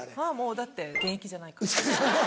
だって現役じゃないから。